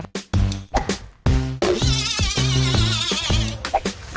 ตัดเฉียงชัดเฉียงตัดเฉียง